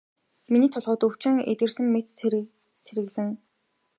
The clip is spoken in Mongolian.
Миний толгойн өвчин эдгэрсэн мэт сэргэлэн.